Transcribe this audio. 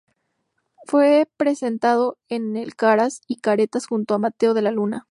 Fue presentado en el Caras y Caretas junto a Mateo de la Luna.